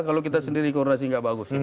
kalau kita sendiri koordinasi nggak bagus